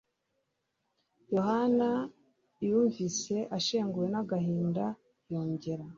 Yohana yunvise ashenguwe n'agahinda yongera